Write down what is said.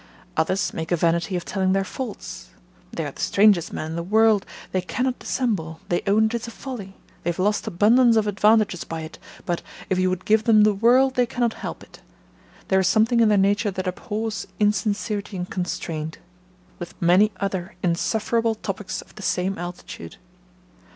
Others make a vanity of telling their faults; they are the strangest men in the world; they cannot dissemble; they own it is a folly; they have lost abundance of advantages by it; but, if you would give them the world, they cannot help it; there is something in their nature that abhors insincerity and constraint; with many other insufferable topics of the same altitude.